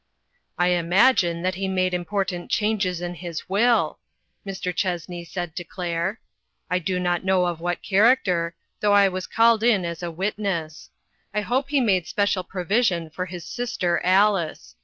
"I imagine that he made important changes in his will," Mr. Chessney said to Claire. "I do not know of what character, though I was called in as a witness. I hope he made special provision for his sister Alice.